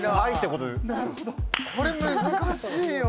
これ難しいよ。